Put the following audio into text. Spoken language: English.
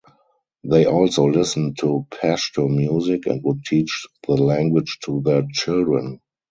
They also listened to Pashto music and would teach the language to their children.